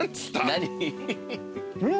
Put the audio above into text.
何？